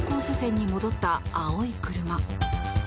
車線に戻った青い車。